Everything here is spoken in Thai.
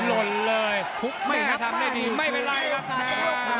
หล่นเลยแม่ทำได้ดีไม่เป็นไรครับแทน